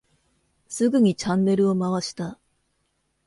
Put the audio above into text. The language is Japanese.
すぐにチャンネルを回した。